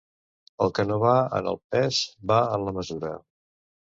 El que no va en el pes, va en la mesura.